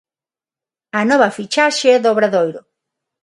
A nova fichaxe do Obradoiro.